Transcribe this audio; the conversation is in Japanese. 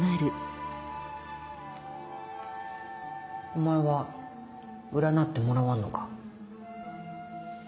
お前は占ってもらわんのか。